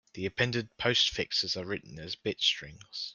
The appended postfixes are written as bit strings.